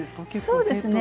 そうですね。